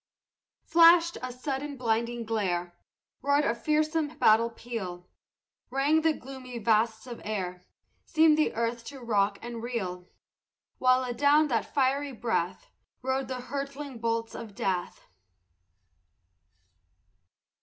Flashed a sudden blinding glare; Roared a fearsome battle peal; Rang the gloomy vasts of air; Seemed the earth to rock and reel; While adown that fiery breath Rode the hurtling bolts of death.